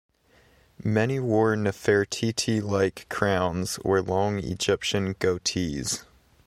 Many wore Nefertiti-like crowns, or long Egyptian "goatees".